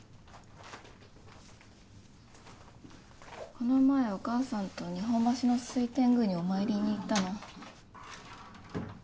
この前お義母さんと日本橋の水天宮にお参りに行ったの。